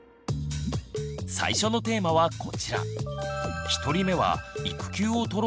最初のテーマはこちら。